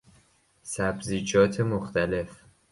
سبزیجات مختلف